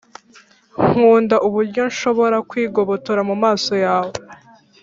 nkunda uburyo nshobora kwigobotora mumaso yawe